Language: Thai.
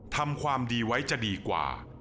ทำความดีไว้จะดีกว่า